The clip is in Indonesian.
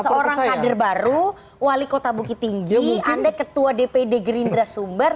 seorang kader baru wali kota bukit tinggi anda ketua dpd gerindra sumber